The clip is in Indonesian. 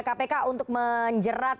kpk untuk menjerat